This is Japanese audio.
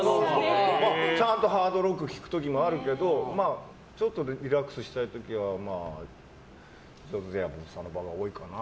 ちゃんとハードロック聴く時もあるけどちょっとリラックスしたい時はボサノバが多いかな。